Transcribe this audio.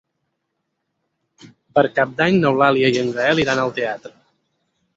Per Cap d'Any n'Eulàlia i en Gaël iran al teatre.